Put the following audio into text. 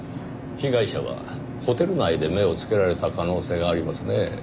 被害者はホテル内で目をつけられた可能性がありますねぇ。